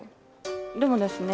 でもですね